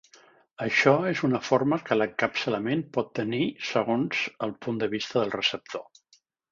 Això és una forma que l'encapçalament pot tenir segons el punt de vista del receptor.